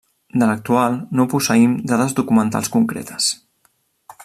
De l'actual, no posseïm dades documentals concretes.